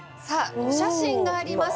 お写真があります。